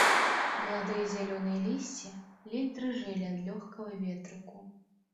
Маладыя зялёныя лісці ледзь дрыжэлі ад лёгкага ветрыку.